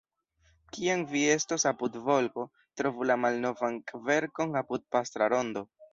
Kiam vi estos apud Volgo, trovu la malnovan kverkon apud Pastra Rondo.